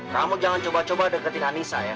kamu jangan coba coba deketin anissa ya